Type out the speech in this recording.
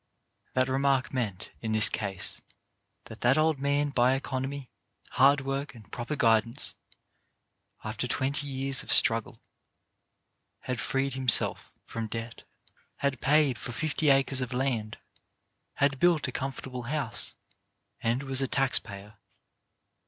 " That remark meant, in this case, that that old man by economy, hard work and proper guidance, after twenty years of struggle, had freed himself from debt, had paid for fifty acres of land, had built a comfortable house, and was a tax payer.